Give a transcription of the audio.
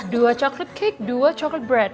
dua coklat cake dua coklat bread